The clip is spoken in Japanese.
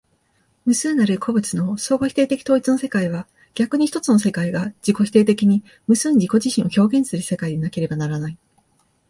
無数なる個物の相互否定的統一の世界は、逆に一つの世界が自己否定的に無数に自己自身を表現する世界でなければならない。